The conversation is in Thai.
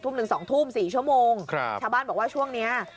หนึ่งสองทุ่ม๔ชั่วโมงชาวบ้านบอกว่าช่วงนี้